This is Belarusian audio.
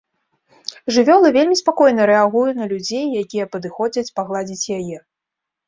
Жывёла вельмі спакойна рэагуе на людзей, якія падыходзяць пагладзіць яе.